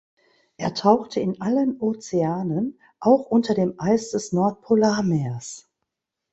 Er tauchte in allen Ozeanen, auch unter dem Eis des Nordpolarmeers.